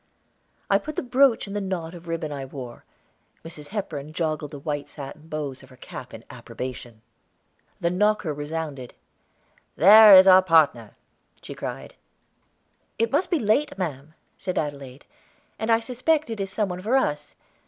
I put the brooch in the knot of ribbon I wore; Mrs. Hepburn joggled the white satin bows of her cap in approbation. The knocker resounded. "There is our partner," she cried. "It must be late, ma'am," said Adelaide; "and I suspect it is some one for us.